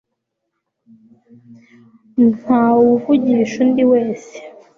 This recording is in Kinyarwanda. ntawe uvugisha undi wese